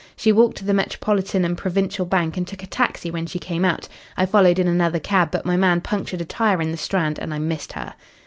"She walked to the Metropolitan and Provincial Bank and took a taxi when she came out. I followed in another cab, but my man punctured a tyre in the Strand and I missed her."